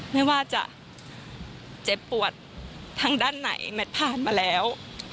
ไม่ว่าจะเจ็บปวดทางด้านไหนแมทผ่านมาแล้ว